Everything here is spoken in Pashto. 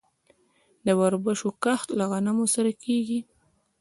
د وربشو کښت له غنمو سره کیږي.